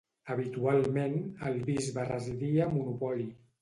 Habitualment, el bisbe residia a Monopoli.